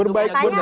buat buat gak suka